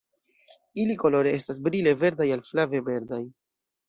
Ili kolore estas brile verdaj al flave verdaj.